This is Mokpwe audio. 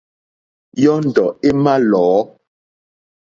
Yɔ́ndɔ̀ é mà lɔ̌.